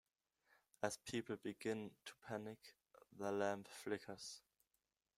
As people begin to panic, the lamp flickers.